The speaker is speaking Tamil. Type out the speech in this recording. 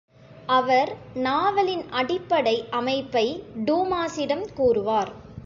அவர் நாவலின் அடிப்படை அமைப்பை டூமாஸிடம் கூறுவார்.